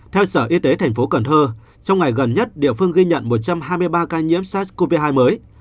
theo sở y tế tp hcm trong ngày gần nhất địa phương ghi nhận một trăm hai mươi ba ca nhiễm sars cov hai mới